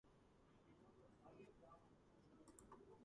ცნობილია კომედიური და დრამატული როლებით.